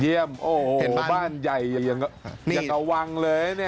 เยี่ยมโอ้โฮบ้านใหญ่ยังกระวังเลยนี่